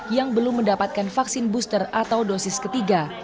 yang belum mendapatkan vaksin booster atau dosis ketiga